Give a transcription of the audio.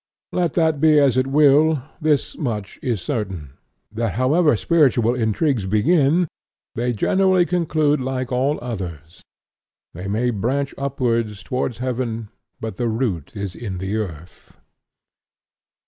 Let that be as it will, thus much is certain, that however spiritual intrigues begin, they generally conclude like all others; they may branch upwards toward heaven, but the root is in the earth.